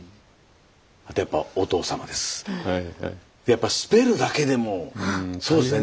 やっぱスペルだけでもそうですね